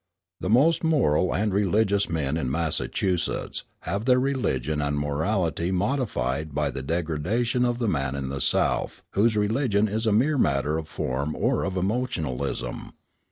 The most moral and religious men in Massachusetts have their religion and morality modified by the degradation of the man in the South whose religion is a mere matter of form or of emotionalism.